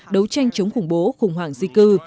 đấu tranh chống khủng bố khủng hoảng di cư